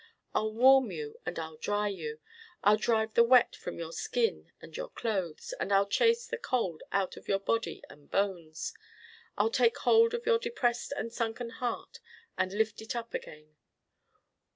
I'll warm you and I'll dry you. I'll drive the wet from your skin and your clothes, and I'll chase the cold out of your body and bones. I'll take hold of your depressed and sunken heart and lift it up again.